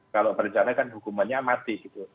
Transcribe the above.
kalau berencana kan hukumannya mati gitu